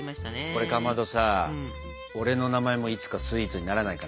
これかまどさ俺の名前もいつかスイーツにならないかね。